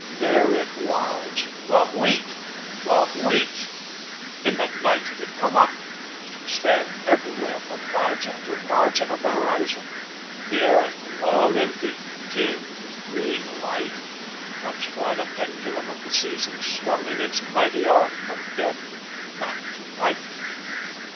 There it was. The Wheat! The Wheat! In the night it had come up. It was there, everywhere, from margin to margin of the horizon. The earth, long empty, teemed with green life. Once more the pendulum of the seasons swung in its mighty arc, from death back to life.